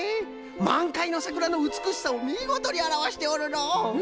まんかいのさくらのうつくしさをみごとにあらわしておるのう。